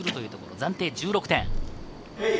暫定１６点。